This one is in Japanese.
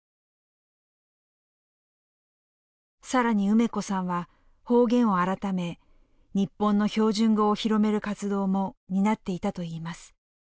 更に梅子さんは方言を改め日本の標準語を広める活動も担っていたといいます。